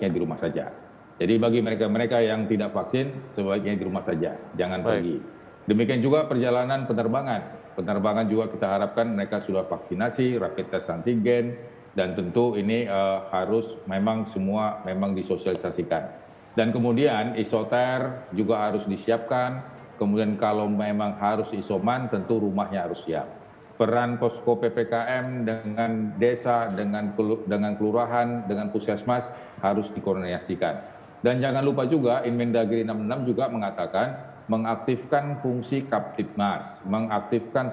dia dirawat sesuai dengan aturan yang ada yaitu mereka yang diisolasi adalah mereka dengan pemeriksaan pcr positif